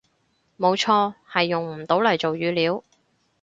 冇錯，係用唔到嚟做語料